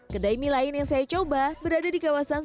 kedai mie lain yang saya coba berada di kawasan